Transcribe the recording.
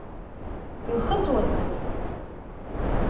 Илхыҵуазеи?